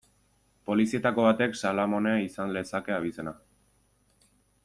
Polizietako batek Salamone izan lezake abizena.